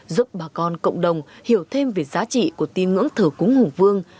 giúp bà con cộng đồng hiểu thêm về giá trị của tín ngưỡng thờ cúng hùng vương